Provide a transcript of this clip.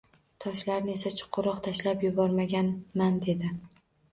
Toshlarni esa chuqurga tashlab yuborganman, dedi